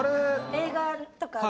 映画とかね